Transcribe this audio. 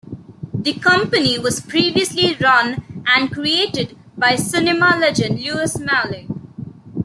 The company was previously run and created by cinema legend Louis Malle.